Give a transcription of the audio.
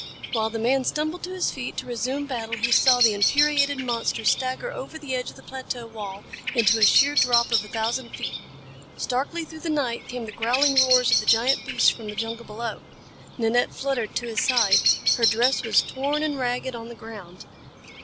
While the man stumbled to his feet to resume battle he saw the infuriated monster stagger over the edge of the plateau wall into a sheer drop of a thousand feet. Starkly through the night came the growling roars of the giant beasts from the jungles below. Nanette fluttered to his side. Her dress was torn and dragged on the ground.